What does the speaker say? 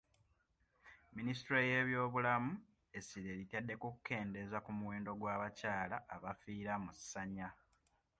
Minisitule y'ebyobulamu essira eritadde ku kukendeeza ku muwendo gw'abakyala abafiira mu ssanya.